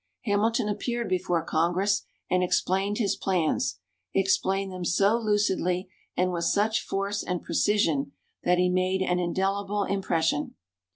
Hamilton appeared before Congress and explained his plans explained them so lucidly and with such force and precision that he made an indelible impression.